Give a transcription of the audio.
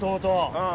うん。